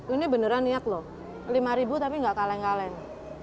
ini beneran yak loh lima tapi tidak kaleng kaleng